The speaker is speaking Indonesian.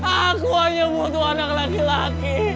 aku hanya butuh anak laki laki